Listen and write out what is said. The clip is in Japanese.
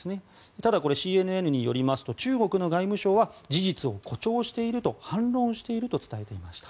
ただこれ、ＣＮＮによりますと中国の外務省は事実を誇張していると反論していると伝えていました。